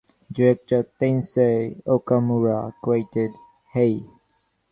Director Tensai Okamura created Hei.